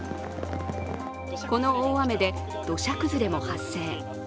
この大雨で土砂崩れも発生。